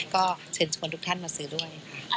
ก็เชิญชวนทุกท่านมาซื้อด้วย